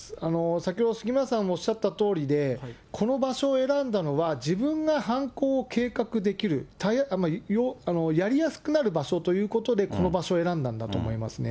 先ほど杉村さんもおっしゃったとおりで、この場所を選んだのは、自分が犯行を計画できる、やりやすくなる場所ということで、この場所を選んだんだと思いますね。